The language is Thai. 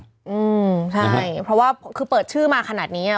อืมใช่เพราะว่าคือเปิดชื่อมาขนาดนี้อ่ะ